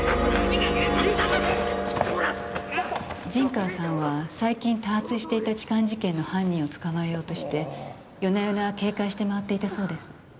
陣川さんは最近多発していた痴漢事件の犯人を捕まえようとして夜な夜な警戒して回っていたそうです。